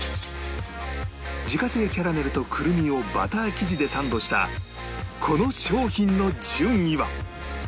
自家製キャラメルとクルミをバター生地でサンドしたこの商品の順位は？